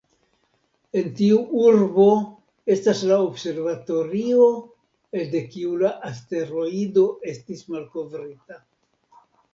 En tiu urbo estas la observatorio elde kiu la asteroido estis malkovrita.